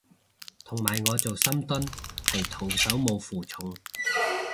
同埋我做深蹲係徒手冇負重